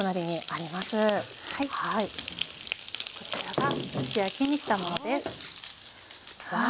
こちらが蒸し焼きにしたものです。わ！